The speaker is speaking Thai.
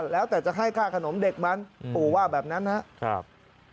แล้วแต่จะให้ค่าขนมเด็กมันปู่ว่าแบบนั้นนะครับ